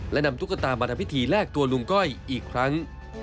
และนำตุ๊กตามาทำพิธีแลกตัวลุงก้อยอีกครั้ง